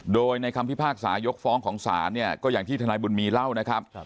โดยในคำพิพากษายกฟ้องของศาลเนี่ยก็อย่างที่ทนายบุญมีเล่านะครับ